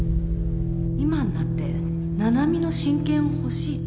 今になって七海の親権を欲しいと